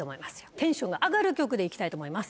テンションが上がる曲で行きたいと思います